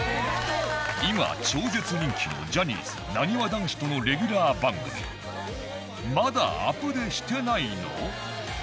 今超絶人気のジャニーズなにわ男子とのレギュラー番組『まだアプデしてないの？』。